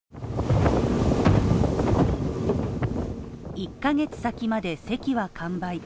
１ヶ月先まで席は完売。